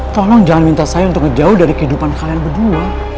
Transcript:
tolong jangan minta saya untuk ngejauh dari kehidupan kalian berdua